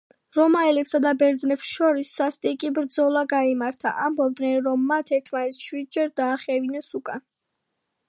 რომაელებსა და ბერძნებს შორის სასტიკი ბრძოლა გაიმართა, ამბობდნენ რომ მათ ერთმანეთს შვიდჯერ დაახევინეს უკან.